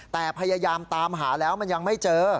แต่พยายามตามหาแล้วมันยังไม่เจอ